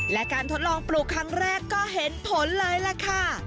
และการทดลองปลูกครั้งแรกก็เห็นผลเลยล่ะค่ะ